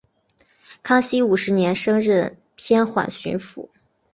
康熙五十年升任偏沅巡抚。